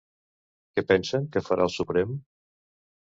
Què pensen que farà el Suprem?